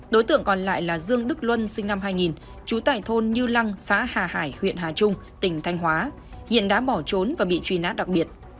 đối tượng còn lại là dương đức luân sinh năm hai nghìn trú tại thôn như lăng xã hà hải huyện hà trung tỉnh thanh hóa hiện đã bỏ trốn và bị truy nã đặc biệt